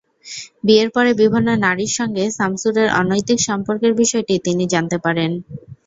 বিয়ের পরে বিভিন্ন নারীর সঙ্গে শামছুরের অনৈতিক সম্পর্কের বিষয়টি তিনি জানতে পারেন।